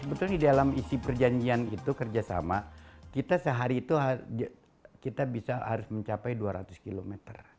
sebetulnya di dalam isi perjanjian itu kerjasama kita sehari itu kita bisa harus mencapai dua ratus km